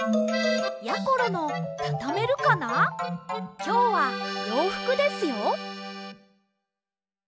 きょうはようふくですよ。